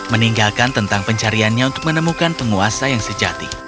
meninggalkan tentang pencariannya untuk menemukan penguasa yang sejati